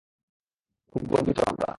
খুব গর্বিত আমরা।